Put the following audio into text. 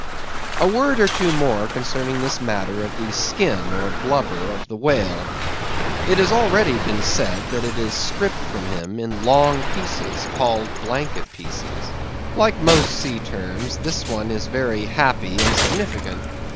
A word or two more concerning this matter of the skin or blubber of the whale. It has already been said, that it is stript from him in long pieces, called blanket pieces. Like most sea terms, this one is very happy and significant.